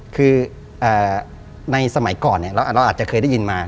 คือในสมัยก่อนเราอาจจะเคยได้ยินมา